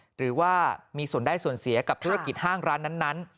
หรือว่ามีส่วนได้ส่วนเสียกับธุรกิจห้างร้านนั้น